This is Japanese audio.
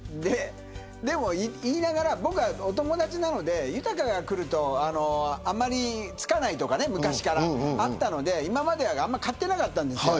でも、言いながら僕はお友達なので豊が来ると、あまりつかないとか昔からあったので今までは買ってなかったんですよ。